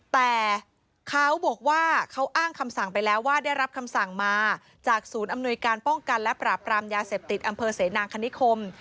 แต่เขาบอกว่าเขาอ้างคำสั่งไปแล้วว่าได้รับคำสั่งมาจากศูนย์อำนวยการป้องกันและปราบรามยาเสพติดอำเภอเสนางคณิคม